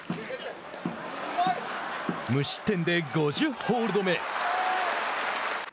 無失点で５０ホールド目。